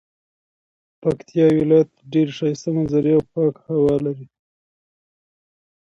پکتيا ولايت ډيري ښايسته منظري او پاکه هوا لري